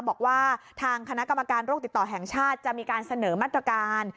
บอกว่าทางคณะกรรมการโรคติดต่อแห่งชาติจะมีการเสนอมาตรการ